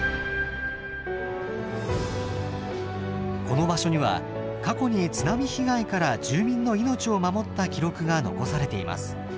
この場所には過去に津波被害から住民の命を守った記録が残されています。